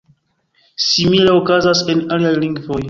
Simile okazas en aliaj lingvoj.